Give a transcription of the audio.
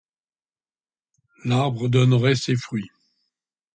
L’arbre donnerait ses fruits.